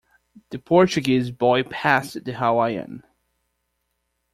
The Portuguese boy passed the Hawaiian.